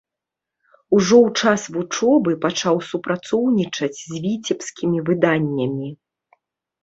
Ужо ў час вучобы пачаў супрацоўнічаць з віцебскімі выданнямі.